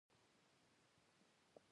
د هغو کسانو له ډلې یاست.